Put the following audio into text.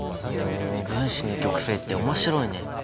分子の極性って面白いね。